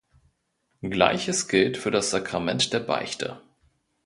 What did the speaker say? Gleiches gilt für das Sakrament der Beichte.